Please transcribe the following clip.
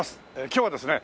今日はですね